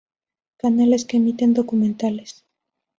Canales que emiten documentales.